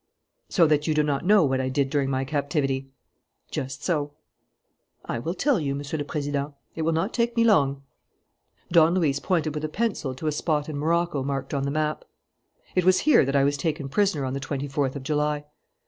"So that you do not know what I did during my captivity?" "Just so." "I will tell you, Monsieur le Président. It will not take me long." Don Luis pointed with a pencil to a spot in Morocco marked on the map. "It was here that I was taken prisoner on the twenty fourth of July.